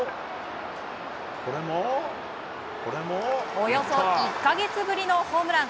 およそ１か月ぶりのホームラン。